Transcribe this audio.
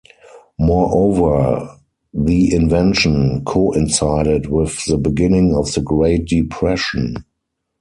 Moreover, the invention coincided with the beginning of the Great Depression.